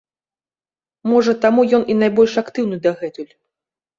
Можа, таму ён і найбольш актыўны дагэтуль.